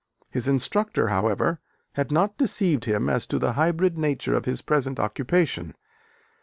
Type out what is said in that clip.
His instructor, however, had not deceived him as to the hybrid nature of his present occupation.